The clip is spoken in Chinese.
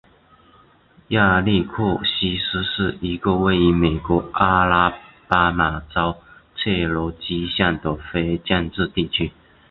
亚历克西斯是一个位于美国阿拉巴马州切罗基县的非建制地区。